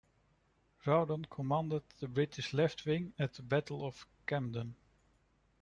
Rawdon commanded the British left wing at the Battle of Camden.